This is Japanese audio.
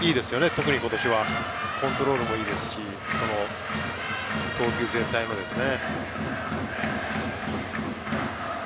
特に今年はコントロールもいいですし投球全体もですね。